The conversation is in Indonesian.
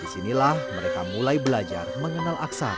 disinilah mereka mulai belajar mengenal aksara